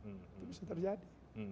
itu bisa terjadi